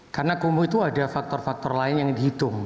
karena kumuh itu ada faktor faktor lain yang dihitung